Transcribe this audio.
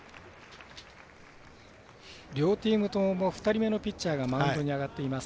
両チームとも２人目のピッチャーがマウンドに上がっています。